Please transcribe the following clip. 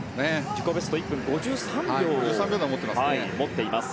自己ベスト１分５３秒を持っています。